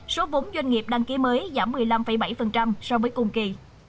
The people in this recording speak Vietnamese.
số vốn doanh nghiệp đăng ký mới giảm một mươi năm bảy so với cùng kỳ